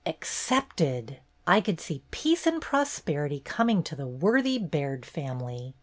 Accepted ! I could see Peac.e and Prosperity coming to the worthy Baird family!